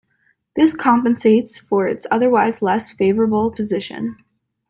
This compensates for its otherwise less favourable position.